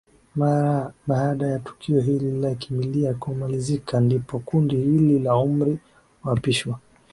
mara baada ya tukio hili la kimila kumalizika ndipo kundi hili la umri huapishwa